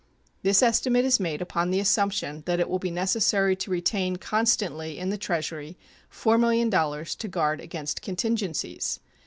This estimate is made upon the assumption that it will be necessary to retain constantly in the Treasury $4,000,000 to guard against contingencies.